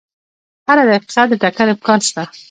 هره دقیقه د ټکر امکان شته.